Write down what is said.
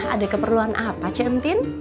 ada keperluan apa centin